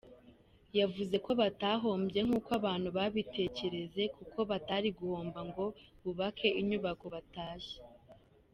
Yavuze ko batahombye nk’uko abantu babitekereza, kuko batari guhomba ngo bubake inyubako batashye.